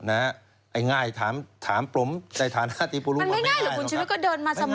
ไอ้ง่ายถามปลมในฐานะอาทิตย์ปรุงมันไม่ง่ายหรอกครับไม่ง่ายหรอกครับมันไม่ง่ายหรอกคุณชุมิกก็เดินมาสมัคร